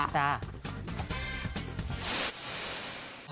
จ้ะ